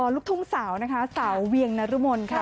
ลูกทุ่งสาวนะคะสาวเวียงนรมนค่ะ